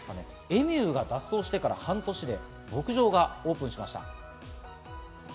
エミューが脱走してから半年で牧場がオープンしました。